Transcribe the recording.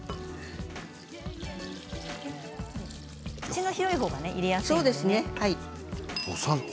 口が広いほうが入れやすいですね。